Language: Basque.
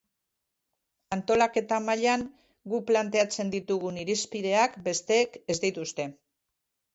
Antolaketa mailan, guk plantatzen ditugun irizpideak besteek ez dituzte.